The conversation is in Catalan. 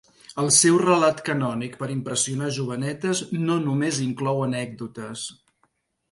El seu relat canònic per impressionar jovenetes no només inclou anècdotes.